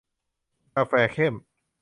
กาแฟเข้ม